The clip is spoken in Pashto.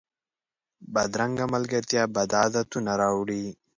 بدرنګه ملګرتیا بد عادتونه راوړي